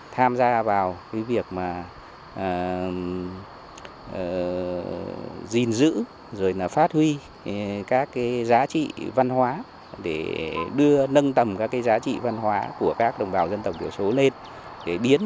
tham gia vào việc gìn giữ phát huy các giá trị văn hóa để nâng tầm các giá trị văn hóa của các đồng bào dân tộc thiểu số lên